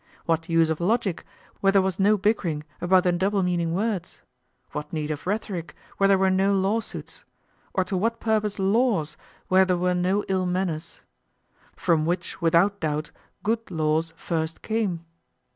What use of logic, where there was no bickering about the double meaning words? What need of rhetoric, where there were no lawsuits? Or to what purpose laws, where there were no ill manners? from which without doubt good laws first came.